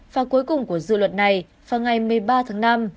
và cuối cùng của dự luật này vào ngày một mươi ba tháng năm